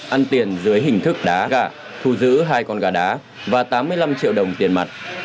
ăn tiền dưới hình thức đá gà thu giữ hai con gà đá và tám mươi năm triệu đồng tiền mặt